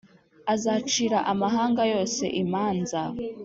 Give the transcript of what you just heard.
Azacira amahanga yose imanza,